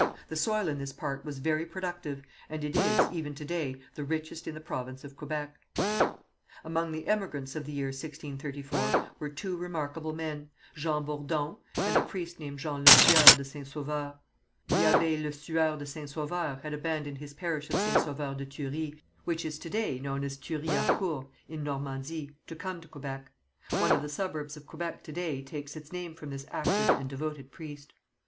The soil in this part was very productive, and it is, even to day, the richest in the province of Quebec. Among the emigrants of the year 1634 were two remarkable men, Jean Bourdon, and a priest named Jean LeSueur de St. Sauveur. The Abbé LeSueur de St. Sauveur had abandoned his parish of St. Sauveur de Thury, which is to day known as Thury Harcourt, in Normandy, to come to Quebec. One of the suburbs of Quebec to day takes its name from this active and devoted priest.